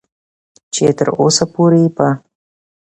چې تر اوسه پورې په